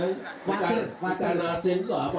ikan asin itu apa